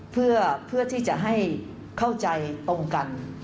เพื่อที่จะให้เข้าใจตรงกัน